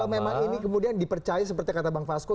kalau memang ini kemudian dipercaya seperti kata bang fasko